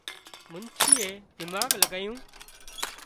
منڇيئي دماڳ لڳايون